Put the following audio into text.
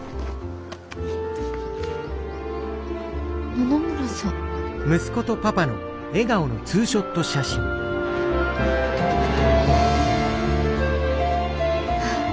野々村さんえっ？